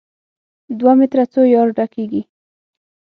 ب: دوه متره څو یارډه کېږي؟